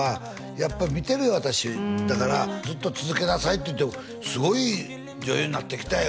「やっぱ見てるよ私だから」「ずっと続けなさい」って言ってすごい女優になってきたよ